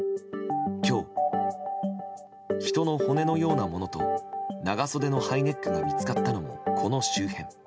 今日、人の骨のようなものと長袖のハイネックが見つかったのもこの周辺。